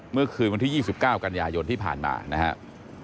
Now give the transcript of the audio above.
เมื่อคืนวันที่๒๙กันยายนที่ผ่านมานะครับ